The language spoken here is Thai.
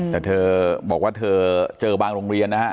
แต่เธอบอกว่าเธอเจอบางโรงเรียนนะฮะ